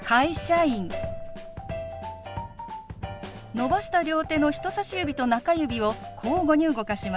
伸ばした両手の人さし指と中指を交互に動かします。